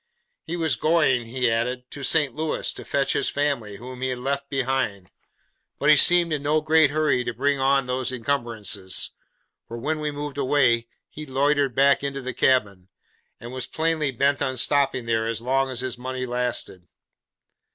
He was 'going,' he added, to St. Louis, to fetch his family, whom he had left behind; but he seemed in no great hurry to bring on these incumbrances, for when we moved away, he loitered back into the cabin, and was plainly bent on stopping there so long as his money lasted.